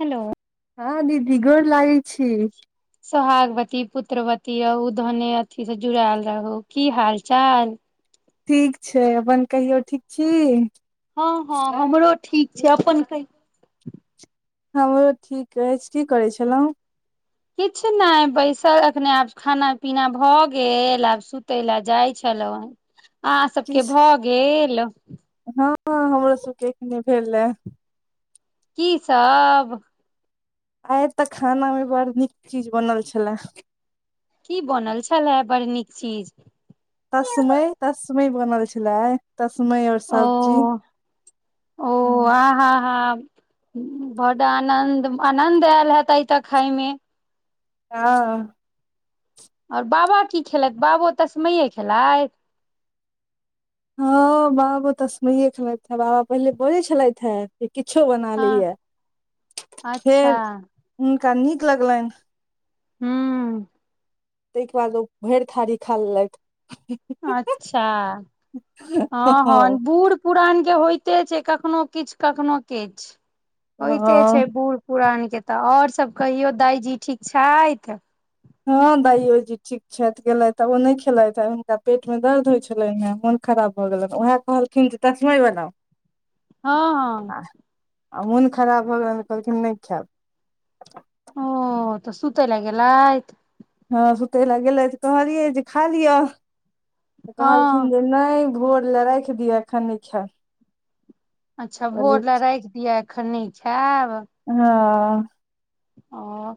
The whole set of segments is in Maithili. हेलो हँ दीदी गोर लागि छी [inaudible] सोहागवती पुत्रवती रहुं धने अथी से जुड़ायल रहु की हाल चाल ठीक छै अपन कहियौ ठीक छी हँ हँ हमरो ठीक छै अपन कहियों हमर ठीक अछि की करै छलहुँ किछु नई बैसल एखने आब खाना पीना भऽ गेल आब सुतय लए जाइ छलहुँ आहा सबके किछ भऽ गेल हँ हमरो सबके एखने भेल की सब आइ तऽ खाना मे बड़ नीक चीज बनल छलए की बनल छलाहे बड़ नीक चीज तस्मै तस्मै बनल छलै आइ तस्मै और ओ सब्जी ओ हँ आ ह ह बड् आनन्द आनन्द आयल हेतै तऽ खायमे हँ ओर बाबा की खेलैत बाबो तस्मैए खेलथि हँ बाबो तस्मैइए खेलैत छलेथि हे बाबा पहिले बाजे छलथि हे किछो बना हँ लेया फेर अच्छा हुनका नीक लगलनि हूं ताहिके बाद ओ भैरि थारी खा लेलक [inaudible] अच्छ हँ हँ बूढ़ पुरान के होइते छै कखनो किछ कखनो किछ होइते हँ छै बूढ़ पुरान के तऽ और सब कहियो दाइजी ठीक छथि हँ दाइयोजी ठीक छथि गेलथिऽ ओ नहि खेलथि ह हुनका पेट मे दर्द होइत छलनि हे मन खराब भऽ गेलनि उएह कहलखिन जे तस्मै बनाउ हँ [inaudible] आ मोन खराब भल गेलनि तऽ कहलखिन नहि खायब ओ तऽ सुतयले गेलयथ हँ सुतेले गेलयथ कहलियै जे खा लिअ तऽ कहलखिन हँ जे नहि भोर ले राखि दिय अखन नहि खेब अच्छ भोर ले राखि दियअ एखन नहि खैब [unintelligible] ह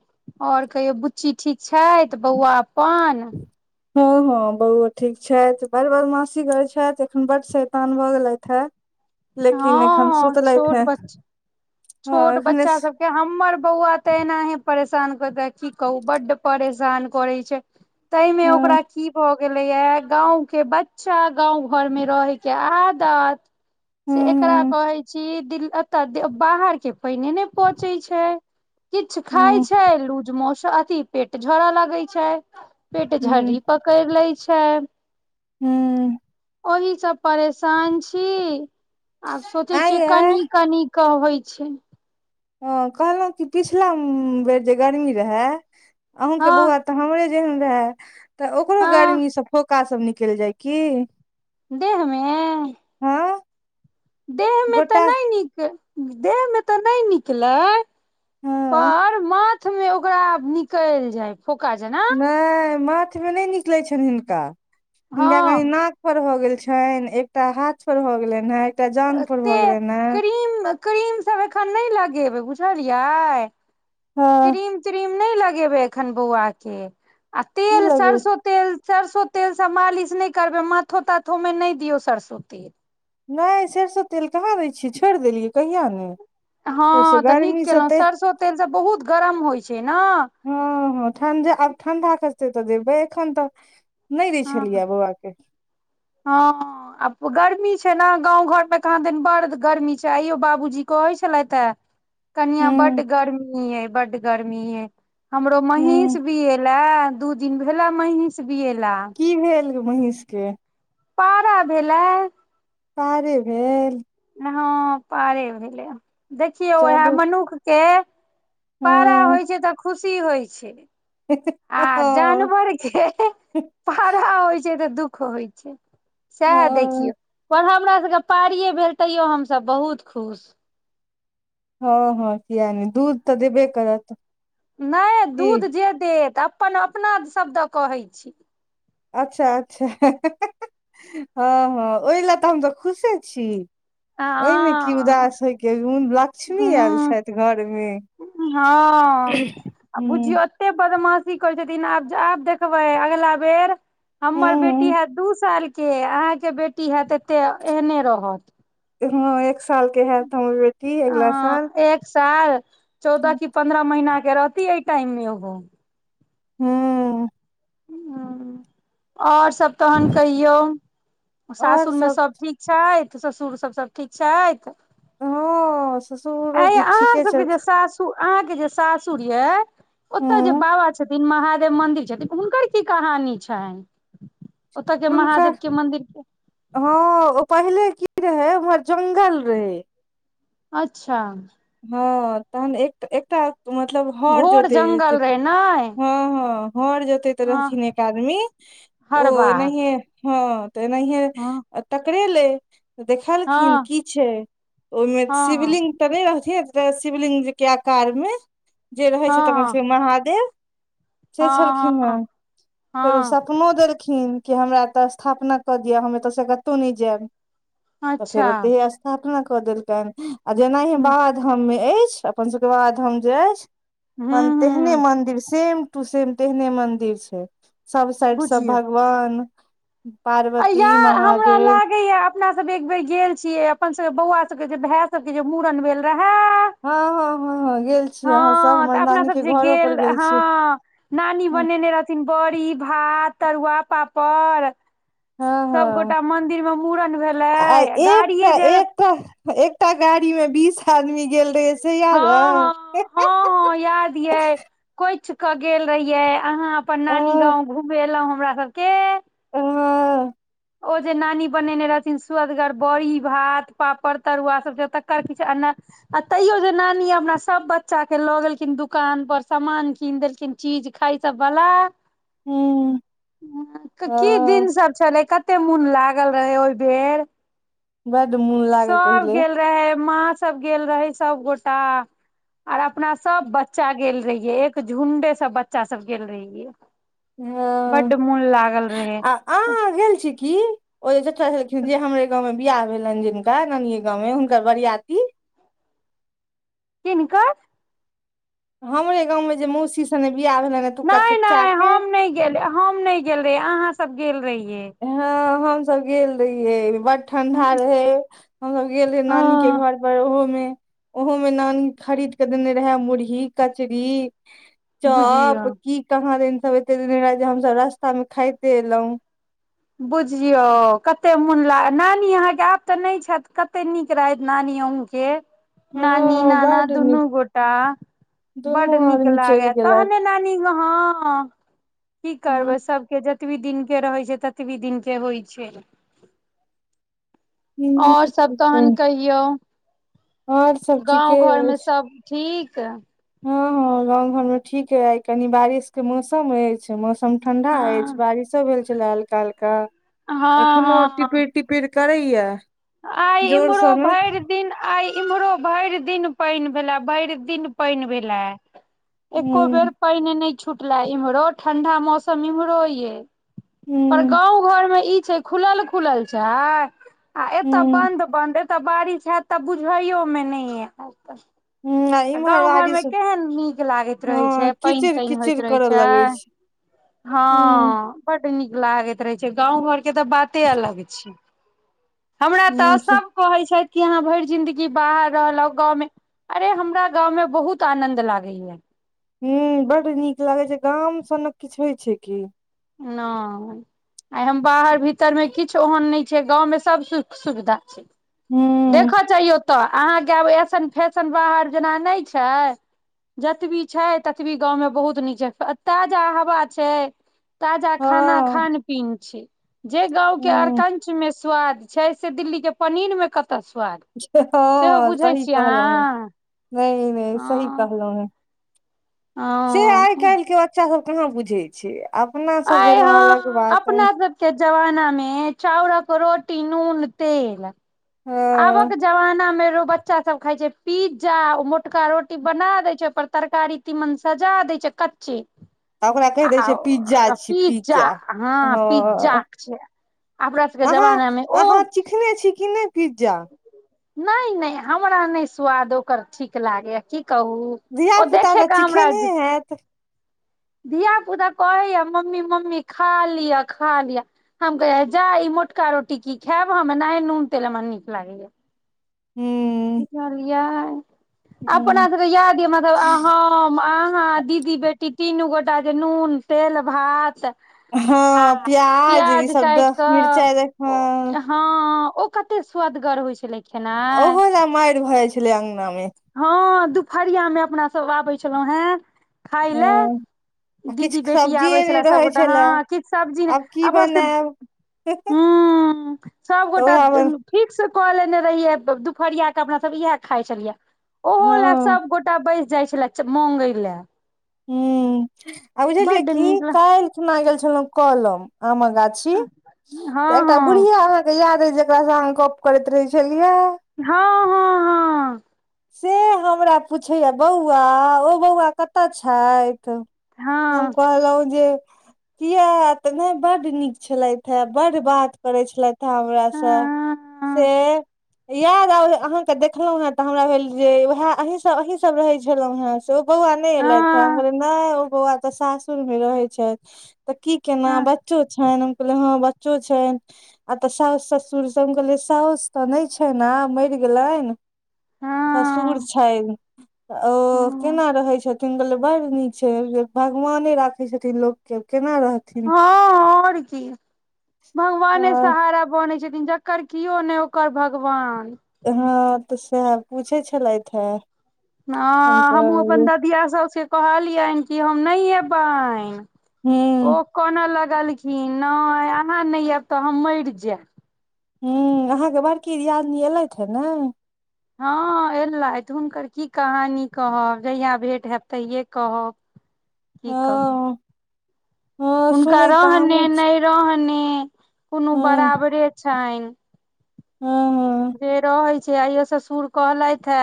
और कहियौ बुच्ची ठीक छथि बौआ अपन हँ हँ बौआ ठीक छथि बड़ बदमासी करय छथि एखन बड शैतान भऽ गेलयथ हे लेकिन एखन हँ हँ सुतलैथा छोट बच्चा है छोट बच्चा सभ हमर बौआ त एनाहि परेशान क दै की कहू बड्ड परेशान करय छै तहिमे हँ ओकरा कि भ गे गेलय या गांव के बच्चा गांव घर मे रहय के आदत से एकरा हूँ कहय छी दिल अतऽ बाहर के पाइने नै पचय छै किछु खाय हूँ हूँ छै लूज मोस अथी पेट झरऽ लगय छै पेट हूँ झड़ी पकैड़ लै छै हूंम्म ओहिसँ परेशान छी आब सोचे आंय छीयै यै कनी कनी कहै छै ह कहलहुं कि पिछला बेर जे गरमी रहय अहूंके हँ बौआ तऽ हमरे जेहन रहै तऽ ओकरो हँ गर्मी से फोका सब निकलि जाय की देह मे हँ देह मे तऽ गोटा नहि निक देह मे तऽ नहि निकलै हँ पर माथ मे ओकरा निकल जाय फोका जेना नहि माथ मे नहि निकलै छनि हिनका हिनका कनी हँ नाक [unintelligible] भ गेल छनि एकटा हाथ पर भ गेलन हे एकटा जांग पर औते भऽ गेलनि हे क्रीम क्रीम सब एखन नहि लगेबय बुझलियै हँ क्रीम त्रीम नहि लगेबय एखन बौआ के आ की तेल लगे सरिसो तेल सरिसो तेल स मालिश नहि करबय माथो ताथो में नहि दियऔ सरिसो तेल नहि सरिसो तेल कहाँ दै छियै छोड़ देलियै कहिया नहि हँ तऽ नीक केलहुँ सरसो तेलसँ बहुत गरम होइ छै न हँ हँ ठण्डे आब ठण्डा खसतै तऽ देबै एखन तऽ नहि दै हँ छलियै बौआ के हँ आ गर्मी छै ने गाँव घर मे कहाँ दैन बड़ गर्मी छै आइयो बाबूजी कहै छलथि हे कनियाँ हूँ बड्ड गर्मी यै बड्ड गर्मी यै हमरो हूँ महीष बिएलै दू दिन भेला महीष बियेला की भेलग [unintelligible] महीषके पारा भेलै कार्य भेल हँ पारे भेलैया देखियौ उएह चलू मनुख केँ पारा हँ होइ छै तऽ खुशी होइ छै आ हँ जानवर के पारा होइ छै तऽ दुःख होइ छै सेहे हँ देखियौ पर हमरा सबके पारिये भेल तैयो हमसभ बहुत खुश हँ हँ किया नै दूध तऽ देबे करत नहि की दूध जे देत अपना अपना सभद कहैत छी अच्छा अच्छा हँ हँ ओहि लऽ तऽ हम तऽ खुशे छी ओहिमे कि हँ उदास होयके लक्ष्मी आयल हूँ छथि घरमे हँ आ हूँ बुझियो एते बदमाशी कहै छथिन आब आब देखबै अगिला बेर हमर बेटी हूँ हैत दू सालके अहाँके बेटी हैत एते एहने रहत एक साल के है तऽ हमर बे आ एक साल चौदह की पन्द्रह महिना के रहती एहि टाइम मे ओहो हूँ हँ और सब तहन कहियौ सासुर मे सब ठीक छैथ ससुर सभ सभ ठीक छैथ हँ ससुरो आइ यै जी अहाँ ठीके सबके जे छथि सासुर अहाँ के जे सासुर ये ओतय जे हूँ बाबा छथि महादेव मन्दिर छथिन हुनकर कि कहानी छनि ओतय के महादेव हुनकर के मंदिर के हँ ओ पहिले की रहै उम्हर जंगल रहै अच्छा हँ तहन एक एकटा मतलब हर घोर जोते जंगल रहे ने हँ हँ हर जोतैत हँ रहथिन्ह एक आदमी तओ हरबा एनाहिए हं त एनाहिए हँ टकरेलै तऽ देखलखिन हँ की छै ओहिमे हँ हँ शिवलिंग तऽ नहि रह शिवलिंग के आकार मे जे रहै छथि अपन हँ सबके महादेव से छलखिन हे हँ फेरो हँ सपनो देलखिन कि हमरा एतऽ स्थापना कऽ दिअ हम एतय से कतहूँ नहि जायब तऽ फेर अच्छा ओत हे सपना कऽ देलकनि आ जेनाहि हूँ बाबाधाम मे अछि अपन सभके बाबाधाम जे अछि हन तेहने हूँ मंदिर सेम टू सेम तेहने मंदिर छै सब साइड सब भग वान। [inaudible] पार इएह हमरा लागैय। अपना सब एक बेेर गेल छीयै अपन सबके बौआ सब के जे भाय सबके जे मुड़न भेल रहै हँ हँ हँ हँ गेल छी अहाँ सब हँ हमर तऽ अपना नानी सब के जे घरो पर गेल हँ छी नानी बनेने रह सिमवरी भात तरुआ पापड़ हँ हँ सभगोटा मंदिर मे मुड़न भेलय गाड़िये जे क तऽ एकटा गाड़ी मे बीस आदमी गेल रहियै हँ हँ हँ हँ याद यै कोइच कऽ गेल रहियै अहाँ अपन अ नानी गाँव घुमेलौं हमरा सब [unintelligible] ओ जे नानी बनेने रहथिन सूदगर बोड़ी भात पापड़ तरुआ सब तकर किछ एना आ तैयो जे नानी हमरा सभ बच्चा के लऽ गेलखिन दुकान पर समान कीन देलखिन चीज खाय सब बला तऽ की दिन ह सब छलै कत एते मोन लागल रहै ओहिबेर बएड मुन लागे पहिले रहै माँ सब गेल रहै सबगोटा आर अपना सब बच्चा गेल रहियै एक झुंडे स बच्चा सब गेल रहियै हँ बड्ड मोन लागल रहे आ आहाँ गेल छी की ओ जे चचा छलखिन जे हमरे गाँवमे बियाह भेलनि जिनका नानिये गाँवमे हुनकर बरियाती किनकर हमरे गाँंवमे जे मौसी सने बियाह भेलनि एतुका नहि चच्चा नहि के हम नहि हम नहि गेल रहि अहाँ सब गेल रहियै हँ हमसब गेल रहियै बड़ ठंडा रहै हमस गेल रहे नानी के हँ घर पर ओहो मे ओहोमे नानी खरीद के देने रहै मुरही कचरी चोप बुझियौ की कहाँ दिन सब एते देने रहै जे हमसब रास्ता मे खाइते एलो बुझियौ कते मोन लाग नानी अहाँके आब तऽ नहि छथि कते नीक रहैत नानी अहुँकेँ नानी हँ नाना बड दूनू नीक गोटा दुनू बड नीक आदमी चलि लागे तहने नानी गाँव हँ की करबै सभके जेतबी दिनके रहै छै तेतबी दिनके होइ छै और सब तहन गेलथि कहियौ और सब ठीके गाँव घर मे अछि सब ठीक हँ हँ गाँव घर मे ठीक अय आय कनी बारिश के मौसम अछि मौस म ठंडा अछि हँ बारिशो भेल छलै हल्का हल्का हँ एखनो हँ टिपिर टिपि पिर करैये आइ इम्हरो भैर दिन आई इम्हरो भरि दिन पानि भेले भरि दिन पानि भेला। एको बेर हूँ पानि नहि छुटले इम्हरो ठंडा मौसम इम्हरो यै पर हूँ गाँव घरमे ई छै खुलल खुलल छै आ एतऽ हूँ बन्द बन्द एतऽ बारिश हैत तऽ बुझैयो मे नै एत हूँ आ इम्हर गाँव घरमे बारिश केहन नीक लागैत रहै छै हँ पाइन कीचिड़ तइन कीचिड़ होइत रहै करऽ छै लगै हूँ हँ बड्ड नीक लागैत रहे छै गाँंव घर के तऽ बाते अलग छै हमरा तऽ हूँ से सभ कहै छथि कि अहाँ भरि जिंन्दगी बाहर रहलौं गाँवमे अरे हम हमरा गाव मे बहुत आनंद लागे या हूंम्म बड्ड नीक लागे छै गाम सम मे किछ होइ छै की नइ आय हम बाहर भीतर मे किछु ओहन नहि छै गाँव मे सब सुख सुविधा छै हूँ देखऽ चायो ओ तऽ अहाँकेँ आब एऐसन फैशन बाहर जेना नहि छै जतबी छै ततबी गाँव मे बहुत नीक छै ताजा हवा छै ताजा खाना हँ खान पीन छी जे गाँंव के हूँ अरकंचमे स्वाद छै से दिल्ली के पनीर मे कतऽ स्वाद सेहो हँ बुझै सही छियै कहलौं हें अहाँ नहि नहि सी कहलो हैं से आइ हँ काल्हि के बच्चा सब कहाँ बुझै छै अपना सब भेलौं अलग बात के जमाना मे चाउरक रोटी नून तेल आबक जमाना मे रो ब बच्चा सब खाइ छै पिज्जा ओ मोटका रोटी बना दै छै ओइपर तरकारी तीमन सजा दै छै कच्चे तऽ ओकरा कहि दै छै पिज्जा आ छी पिज्जा हँ पिज्जा हँ क छै अपना सबके जमानामे ओ खेने छी की नै पिज्जा नै नै हमरा नै स्वाद ओकर ठीक लागैए की कहू ओ धियापुता देखे तऽ के हमरा चिखेनहे हैत धिया पुता कहैये मम्मी मम्मी खा लिअ खा लिअ हम कहियै जा ई मोटका रोटी की खैब हम एनाहि नून तेल हमरा नीक लागैये हूँ बुझलियै अपना हूँ सबके याद यऽ मतलब हम अहाँ दीदी बेटी तीन गोटा जे नून तेल भात। आ हँ प्याज ई काटि शब्दस मिरचाइ रखबें कऽ हँ ओ कते स्वदगर होइ छलै खेनाइ ओहो लऽ मायर भय छलै अगना मे हँ दुपहरियामे अपना सब आबै छलौं हेँ खाय लै हँ आ किछु दीदी बेटी आबै सब्जिए नहि छलए रहै सभगोटाे छलए हँ किछु सब्जी ने आब की अपन सबके बनायब हूंम्म सब तऽ गोटा उएह बन [unintelligible] फीक्स कऽ लेने रहियै दुपहरिया के अपना सब इएह खाय छलियै ओहो लए हँ सभगोटा बैस जाइ छलए मंगै लै हूंम्म आ बुझलियै कि हँ कायल खिना गेल छलौं कलम आमक गाछि की तऽ एकटा हँ बुढ़िया अहाँके याद अइ जेकरा सँ अहाँ गप करैत रहै छेलियै हँ हँ से हमरा पुछैये बौआ ओ बौआ कतऽ छथि तऽ हम हँ कहलौं जे किये तऽ नै बड्ड नीक छलथि हे बड्ड बात करै छलथि हे हमरासँ हँ से याद आवल अहाँके देखलहुँ है तऽ हमरा भेल जे वएह अ सब अहीं सभ रहै छलहुँ हे से ओ बौआ नहि एलथि हे हम हँ कहलै नहि ओ बौआ तऽ सासुर मे रहे छै तऽ की केना हँ बच्चो छैन हम कहलिए हाँ बच्चो चो छै आ तऽ साउस ससुर सब हम कहलियै साउस तऽ नै छैन आब मैर गेलैन हँ ससुर छैन तऽ ओ हँ केना रहै छ बड़ नीक छै भगवाने राखे छथिन लोक के केना रह। हँ और कि भगवाने सहारा बनै छथिन जकर केओ ने ओकर भगवान हँ तऽ सएह पूछै छलथि हे ह हम हमहूँ अपन कहलियै ददिया साउस के कहलियनि कि हम नहि एबनि हूँ ओ कोनऽ लगलखिन नै अहाँ नै आयब तऽ हम मैर जायब हूॅं अहाँके बड़की दियादनी एलथि हे ने हँ एलथि हुनकर की कहानी कहब जहिया भेंट हायत तहिये कहब कि कहू हँ हँ हुनका सुनै तऽ रहने हमहुँ छी नै रहने कोनो हँ बराबरे छनि ह, ह जे रहै छै आइयो ससुर कहलथि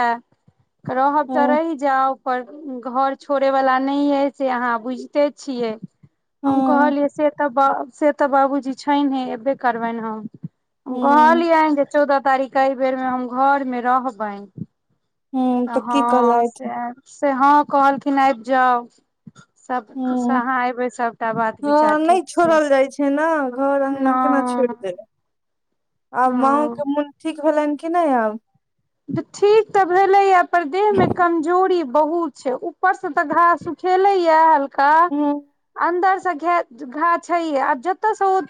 हे रहब तऽ हँ रहि जाउ पर घर छोड़े वाला नै ये से अहाँ बुझिते छियै हम हँ कहलियै से तऽ बा से त बाबु जी छैने एबे करबनि हम हम हँ कहलियनि जे चौदह तारीख क ई बेर मे हम घर में रहबैन त तऽ हँ की कहलथि से से हॅं कहलखिन आइब जाउ सभसँ हँ अहाँ अयबै सभटा बात विचार हँ नहि ठीक छै छोड़ल जाइ छै ने घर अंगना केना छोड़ नहि दैब आब माँ ओ के हँ मोन ठीक भैलेन कीऽ नै आब ठीक तऽ भेलैया पर देहमे कमजोरी बहुत छै उ ऊपर से तऽ घाऽ सुखेलै या हल्का हूँ अन्दर सेे घे घा छै यऽ आब जतऽ स उ